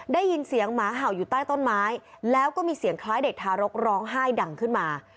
ได้ยินเสียงหมาเห่าอยู่ใต้ต้นไม้แล้วก็มีเสียงคล้ายเด็กทารกร้องไห้ดังขึ้นมา